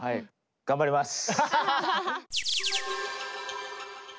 頑張ります！